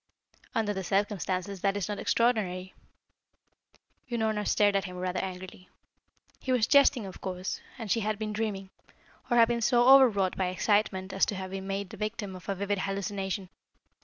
"Under the circumstances, that is not extraordinary." Unorna stared at him rather angrily. He was jesting, of course, and she had been dreaming, or had been so overwrought by excitement as to have been made the victim of a vivid hallucination.